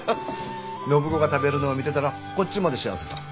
暢子が食べるのを見てたらこっちまで幸せさぁ。